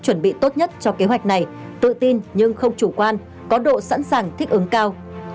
chuẩn bị tốt nhất cho kế hoạch này tự tin nhưng không chủ quan có độ sẵn sàng thích ứng cao